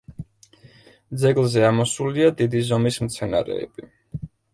ძეგლზე ამოსულია დიდი ზომის მცენარეები.